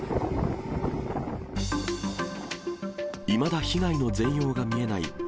いまだ被害の全容が見えない